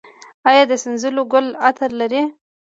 آیا د سنځلو ګل عطر لري؟